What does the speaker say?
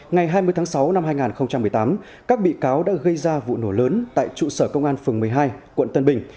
ngày hai mươi tháng sáu năm hai nghìn một mươi tám các bị cáo đã gây ra vụ nổ lớn tại trụ sở công an phường một mươi hai quận tân bình